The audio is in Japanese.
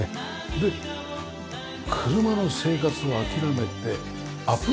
で車の生活を諦めてアプローチ庭にしましたね。